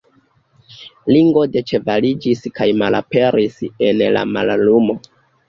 Ringo deĉevaliĝis kaj malaperis en la mallumo.